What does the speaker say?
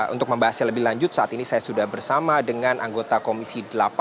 untuk membahasnya lebih lanjut saat ini saya sudah bersama dengan anggota komisi delapan